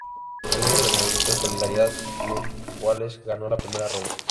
El líder del movimiento Solidaridad, Lech Wałęsa, ganó la primera ronda.